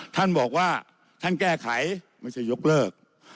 ท่านบอกว่าท่านแก้ไขไม่ใช่ยกเลิก